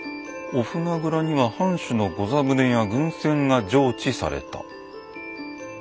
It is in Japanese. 「御舟倉には藩主の御座船や軍船が常置された」。